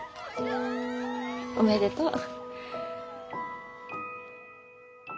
おめでとう。